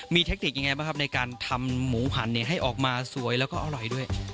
มีเทคนิคยังไงบ้างครับในการทำหมูผันให้ออกมาสวยแล้วก็อร่อยด้วย